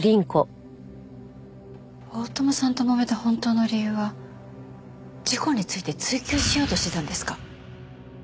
大友さんともめた本当の理由は事故について追及しようとしてたんですか？